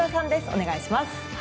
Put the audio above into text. お願いします。